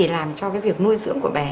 làm cho việc nuôi dưỡng của bé